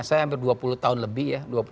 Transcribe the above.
saya hampir dua puluh tahun lebih ya